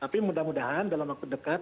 tapi mudah mudahan dalam waktu dekat